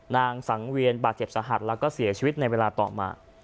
นางสังเวียนบาดเจ็บสาหัสแล้วก็เสียชีวิตในเวลาต่อมา